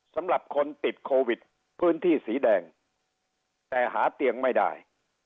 สำหรับคนติดโควิดพื้นที่สีแดงแต่หาเตียงไม่ได้